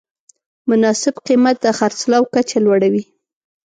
مناسب قیمت د خرڅلاو کچه لوړوي.